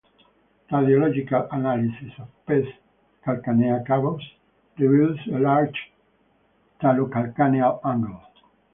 Radiological analysis of pes calcaneocavus reveals a large talo-calcaneal angle.